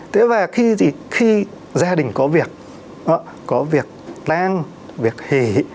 thế và khi gia đình có việc có việc tăng việc hỉ